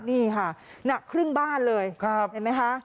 นี่ค่ะหนักครึ่งบ้านเลยเห็นไหมคะ